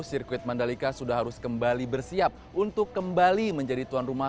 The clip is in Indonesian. sirkuit mandalika sudah harus kembali bersiap untuk kembali menjadi tuan rumah